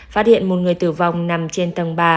phát hiện một người tử vong nằm trên tầng ba